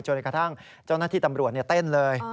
กระทั่งเจ้าหน้าที่ตำรวจเต้นเลย